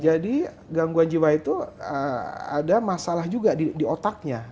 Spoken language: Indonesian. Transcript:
jadi gangguan jiwa itu ada masalah juga di otaknya